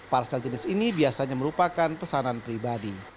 parsel jenis ini biasanya merupakan pesanan pribadi